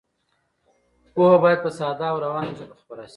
پوهه باید په ساده او روانه ژبه خپره شي.